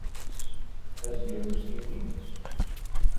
Has he ever seen me?